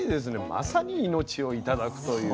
まさに命を頂くというね。